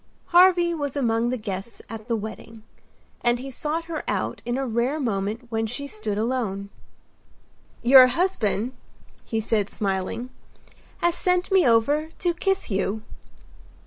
Harvy was among the guests at the wedding; and he sought her out in a rare moment when she stood alone. "Your husband," he said, smiling, "has sent me over to kiss you."